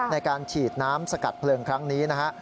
ในการฉีดน้ำสกัดเพลิงครั้งนี้นะฮะ